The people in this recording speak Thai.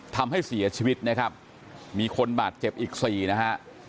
ทำให้เสียชีวิตนะครับมีคนบาดเจ็บอีกสี่นะฮะ